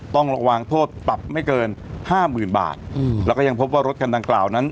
ต้องระวังโทษปรับไม่เกินห้าหมื่นบาทแล้วก็ยังพบว่ารถคันดังกล่าวนั้น